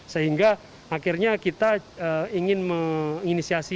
sehingga akhirnya kita ingin menginisiasi